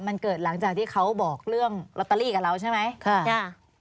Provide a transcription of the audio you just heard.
มันเกิดหลังจากที่เขาบอกเรื่องลอตเตอรี่กับเราใช่ไหมค่ะ